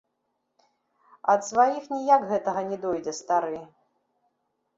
Ад сваіх ніяк гэтага не дойдзе стары.